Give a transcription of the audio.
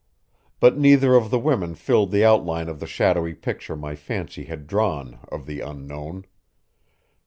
But neither of the women filled the outline of the shadowy picture my fancy had drawn of the Unknown.